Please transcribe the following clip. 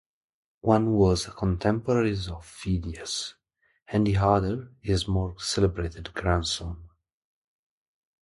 One was a contemporary of Pheidias, and the other his more celebrated grandson.